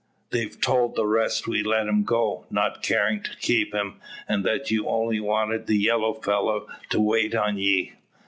They've told the rest we let him go, not carin' to keep him; and that you only wanted the yellow fellow to wait on ye."